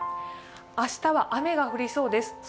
明日は雨が降りそうです。